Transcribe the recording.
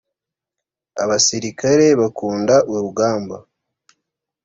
abasirikare bakunda urugamba.